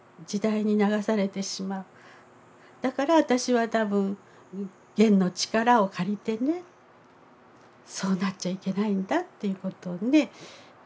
だから私は多分ゲンの力を借りてねそうなっちゃいけないんだっていうことをね言いたいんだと思います。